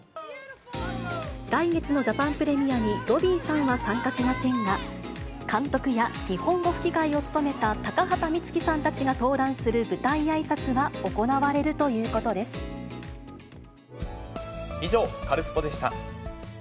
来月のジャパンプレミアにロビーさんは参加しませんが、監督や日本語吹き替えを務めた高畑充希さんたちが登壇する舞台あ以上、カルスポっ！でした。